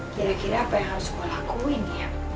kira kira apa yang harus gue lakuin dia